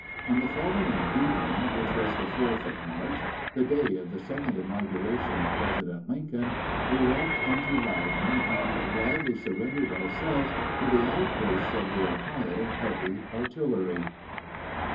On the following evening, which was the 4th of March, the day of the second inauguration of President Lincoln, we walked into Loudon and gladly surrendered ourselves to the outposts of the Ohio Heavy Artillery.